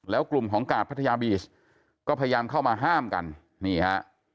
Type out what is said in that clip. แล้วกลุ่มของกาดพัทยาบีชก็พยายามเข้ามาห้ามกันนี่ฮะ